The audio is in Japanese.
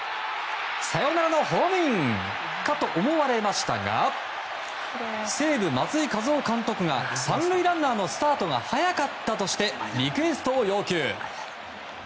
サヨナラのホームインかと思われましたが西武、松井稼頭央監督が３塁ランナーのスタートが早かったとしてリクエストを要求。